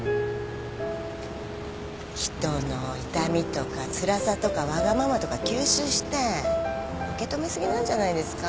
人の痛みとかつらさとかわがままとか吸収して受け止め過ぎなんじゃないですか？